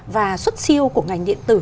và xuất siêu của ngành điện tử